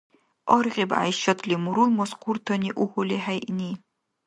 Аргъиб ГӀяйшатли мурул масхуртани угьули хӀейъни...